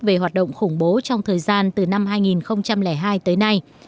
về hoạt động khủng bố trong thời gian từ năm hai nghìn hai tới nay